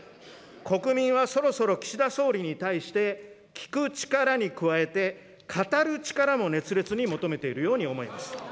国民はそろそろ岸田総理に対して、聞く力に加えて、語る力も熱烈に求めているように思います。